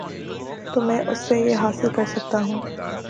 تو میں اس سے یہ حاصل کر سکتا ہوں۔